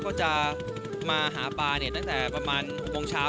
ก็จะมาหาปลาตั้งแต่ประมาณ๖โมงเช้า